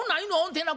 てな